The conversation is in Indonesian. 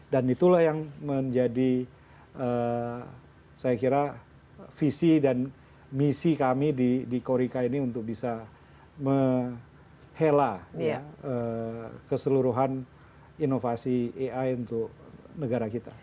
dan itulah yang menjadi saya kira visi dan misi kami di korika ini untuk bisa menghela keseluruhan inovasi ai untuk negara kita